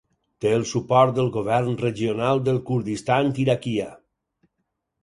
Té el suport del govern regional del Kurdistan Iraquià.